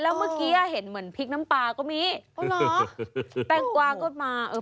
แล้วเมื่อกี้อ่ะเห็นเหมือนพริกน้ำปลาก็มีอ๋อเหรอแตงกวาก็มาเออ